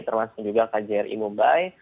termasuk juga kjri mumbai